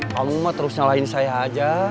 kamu mah terus nyalahin saya aja